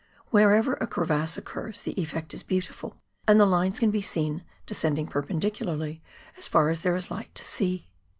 Wherever a crevasse occurs the effect is beautiful, and the lines can be seen, descending perpendicularly, as far as there is light to see.